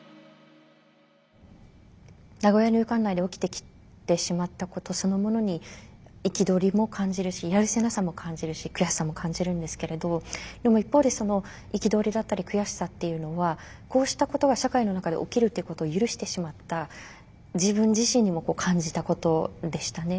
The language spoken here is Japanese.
名古屋入管内で起きてきてしまったことそのものに憤りも感じるしやるせなさも感じるし悔しさも感じるんですけれどでも一方で憤りだったり悔しさっていうのはこうしたことが社会の中で起きるっていうことを許してしまった自分自身にも感じたことでしたね。